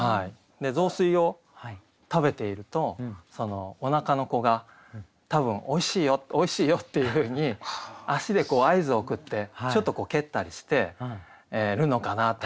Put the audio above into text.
で雑炊を食べているとお腹の子が多分「おいしいよおいしいよ」っていうふうに足で合図を送ってちょっと蹴ったりしてるのかなと。